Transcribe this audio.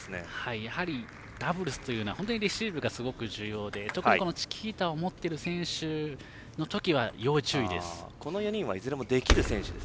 やはりダブルスというのは本当にレシーブがすごく重要で特にチキータを持っている選手の時は要注意です。